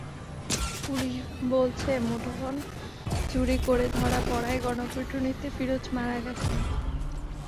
Police বলছে, মুঠোফোন চুরি করে ধরা পড়ায় গণপিটুনিতে ফিরোজ মারা গেছেন।